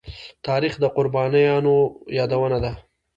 تاریخ د قربانيو يادونه ده.